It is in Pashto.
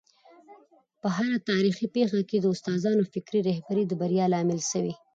په هره تاریخي پېښه کي د استادانو فکري رهبري د بریا لامل سوی.